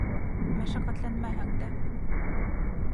— Мәшәҡәтләнмәһәң дә...